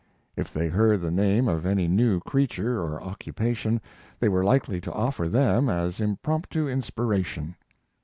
If they heard the name of any new creature or occupation they were likely to offer them as impromptu inspiration.